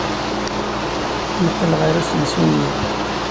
Neqqel ɣer usensu-nni.